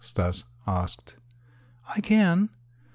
Stas asked. "I can."